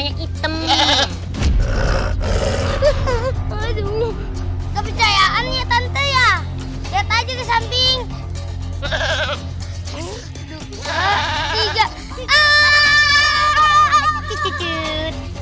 iya ini makanan perempuan